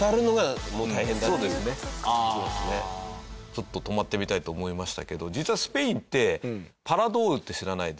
ちょっと泊まってみたいと思いましたけど実はスペインってパラドール？